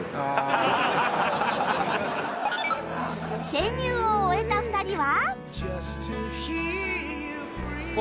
潜入を終えた２人は